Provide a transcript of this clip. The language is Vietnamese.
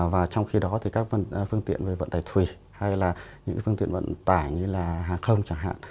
và trong khi đó thì các phương tiện về vận tải thủy hay là những phương tiện vận tải như là hàng không chẳng hạn